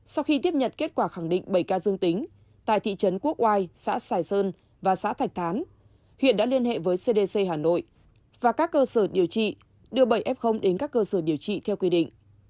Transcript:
sau khi tiếp nhận kết quả khẳng định bảy ca dương tính tại thị trấn quốc oai xã sài sơn và xã thạch thán huyện đã liên hệ với cdc hà nội và các cơ sở điều trị đưa bảy f đến các cơ sở điều trị theo quy định